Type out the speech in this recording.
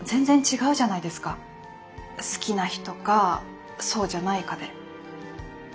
好きな人かそうじゃないかで。